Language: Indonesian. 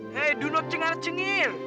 hey jangan cengar cengir